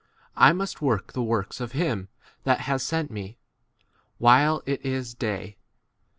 4 I must work the works of him that has sent me, while it is day.